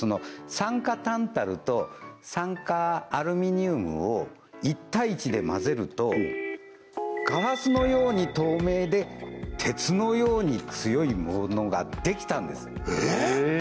酸化タンタルと酸化アルミニウムを１対１で混ぜるとガラスのように透明で鉄のように強いものができたんです